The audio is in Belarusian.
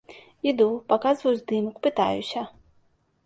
Іду, паказваю здымак, пытаюся.